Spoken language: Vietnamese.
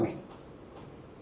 từ khi chúng ta đã được tìm ra